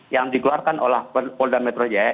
yang dikeluarkan oleh polda metro jaya